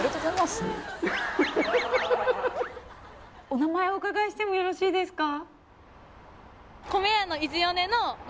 お名前おうかがいしてもよろしいですか？